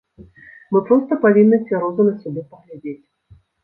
Мы проста павінны цвяроза на сябе паглядзець.